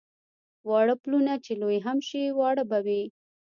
واړه پلونه چې لوی هم شي واړه به وي.